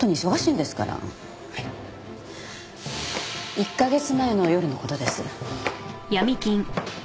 １カ月前の夜の事です。